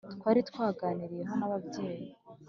twari twaraganiriyeho na babyeyi